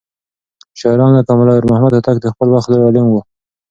شاعران لکه ملا يارمحمد هوتک د خپل وخت لوى عالم و.